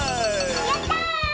やった！